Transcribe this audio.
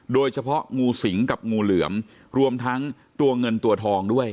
โดยเฉพาะงูสิงกับงูเหลือมรวมทั้งตัวเงินตัวทองด้วย